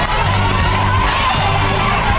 ขอบคุณครับ